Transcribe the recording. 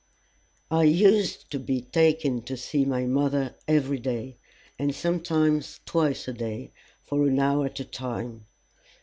I used to be taken to see my mother every day, and sometimes twice a day, for an hour at a time.